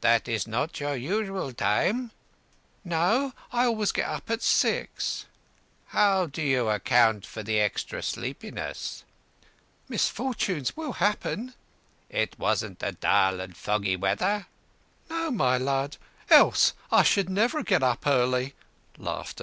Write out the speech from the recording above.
"That is not your usual time?" "No, I always get up at six." "How do you account for the extra sleepiness?" "Misfortunes will happen." "It wasn't the dull, foggy weather?" "No, my lud, else I should never get up early."